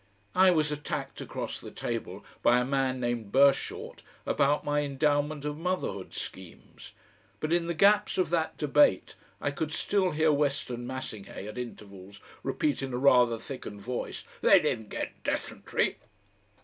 I was attacked across the table by a man named Burshort about my Endowment of Motherhood schemes, but in the gaps of that debate I could still hear Weston Massinghay at intervals repeat in a rather thickened voice: "THEY didn't get dysentery."